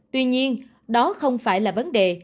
tuy nhiên đó không phải là vấn đề